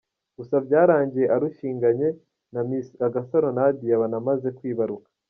Gusa byarangiye arushinganye na Miss Agasaro Nadia banamaze kwibaruka.